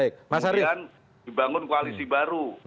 kemudian dibangun koalisi baru